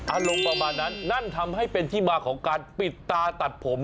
อารมณ์ประมาณนั้นนั่นทำให้เป็นที่มาของการปิดตาตัดผม